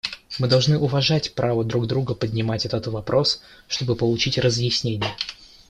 Мы должны уважать право друг друга поднимать этот вопрос, чтобы получить разъяснение.